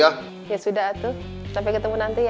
ya sudah tuh sampai ketemu nanti ya